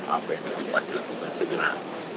apa yang terlalu banyak bukan segera